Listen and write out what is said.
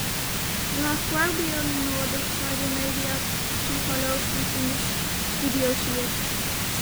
We ha foarbylden noadich sei de mediapsycholooch dy't yn de studio siet.